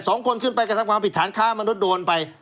สองคนขึ้นไปกับความผิดฐานค้ามนุษย์โดนไป